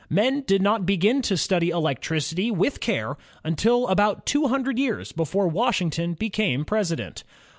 Men did not begin ,to study electricity with care until about two hundred years before Washington became President.